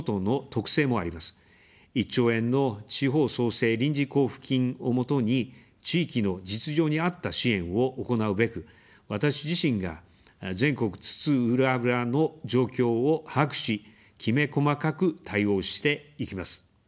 １兆円の地方創生臨時交付金を基に、地域の実情に合った支援を行うべく、私自身が全国津々浦々の状況を把握し、きめ細かく対応していきます。